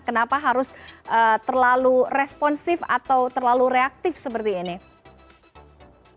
kenapa harus terlalu responsif atau terlalu reaktif seperti ini